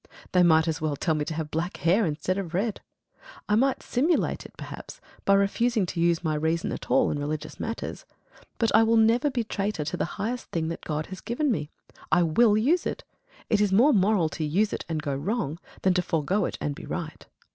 They might as well tell me to have black hair instead of red. I might simulate it perhaps by refusing to use my reason at all in religious matters. But I will never be traitor to the highest thing that God has given me. I WILL use it. It is more moral to use it and go wrong, than to forego it and be right.